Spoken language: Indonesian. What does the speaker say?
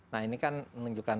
nah ini kan menunjukkan